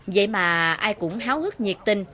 vậy mà ai cũng háo hức nhiệt tình